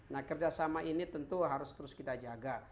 nah kerjasama ini tentu harus terus kita jaga